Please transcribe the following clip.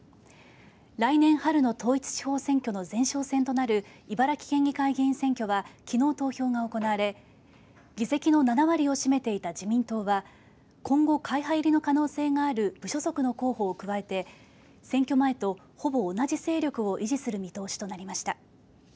来年春の統一地方選挙の前哨戦となる茨城県議会議員選挙はきのう投票が行われ議席の７割を占めていた自民党は今後会派入りの可能性がある無所属の候補を加えて選挙前とほぼ同じ勢力を維持する見通しとなりました。